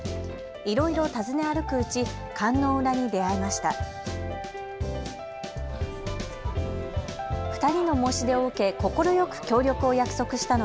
いろいろ訪ね歩くうち観音裏に出会いました。